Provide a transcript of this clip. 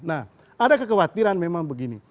nah ada kekhawatiran memang begini